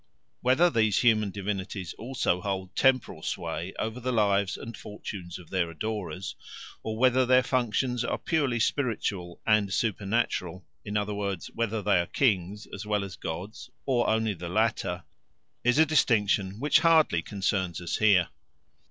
Whether these human divinities also hold temporal sway over the lives and fortunes of their adorers, or whether their functions are purely spiritual and supernatural, in other words, whether they are kings as well as gods or only the latter, is a distinction which hardly concerns us here.